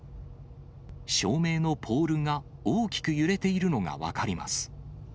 照明のポールが、大きく揺れているのが分かります。